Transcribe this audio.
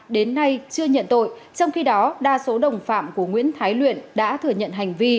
đến nay chưa nhận tội trong khi đó đa số đồng phạm của nguyễn thái luyện đã thừa nhận hành vi